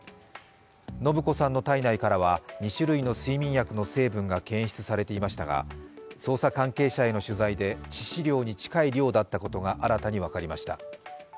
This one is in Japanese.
延子さんの体内からは２種類の睡眠薬の成分が検出されていましたが捜査関係者への取材で致死量に近い量だったことが新たに分かりました。